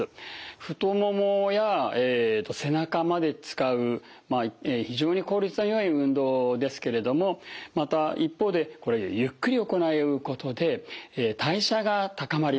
太ももや背中まで使う非常に効率のよい運動ですけれどもまた一方でこれゆっくり行うことで代謝が高まります。